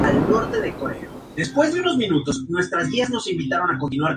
Como resultado, el Parlamento decidió disolverse y convocar a nuevas elecciones.